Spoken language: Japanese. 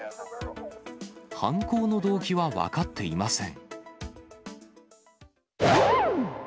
犯行の動機は分かっていません。